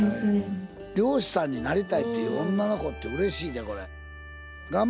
漁師さんになりたいっていう女の子ってうれしいでこれ。